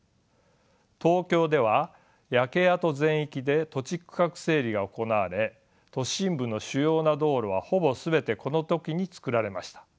東京では焼け跡全域で土地区画整理が行われ都心部の主要な道路はほぼ全てこの時に造られました。